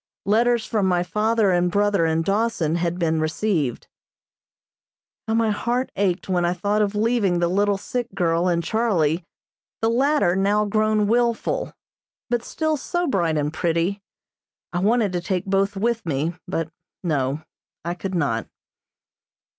Letters from my father and brother in Dawson had been received. [Illustration: CLAIM ON BONANZA CREEK.] How my heart ached when I thought of leaving the little sick girl and Charlie, the latter now grown wilful, but still so bright and pretty. I wanted to take both with me, but, no, I could not.